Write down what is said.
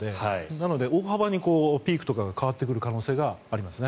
なので大幅にピークとかが変わってくる可能性があります。